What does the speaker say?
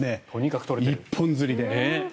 一本釣りで。